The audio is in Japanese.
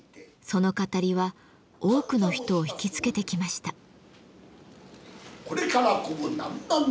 その語りは多くの人を引きつけてきました。